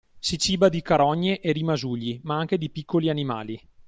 Si ciba di carogne e rimasugli, ma anche di piccoli animali.